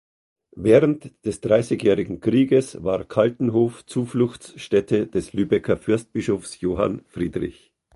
Während des Dreißigjährigen Krieges war Kaltenhof Zufluchtsstätte des Lübecker Fürstbischofs Johann Friedrich.